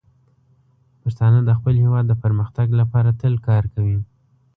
پښتانه د خپل هیواد د پرمختګ لپاره تل کار کوي.